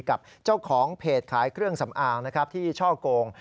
กับเจ้าของเพจขายเครื่องสำอางนะครับที่ช่อกง